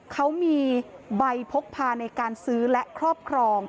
เขามีใบพกพาในการซื้อและครอบครอง